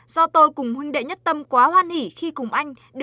do tôi cùng huynh đệ nhất tâm quá hoan hỷ khi cùng anh